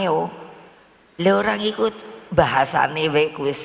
ada orang ikut bahasa ini